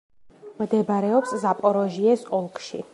მდებარეობს ზაპოროჟიეს ოლქში.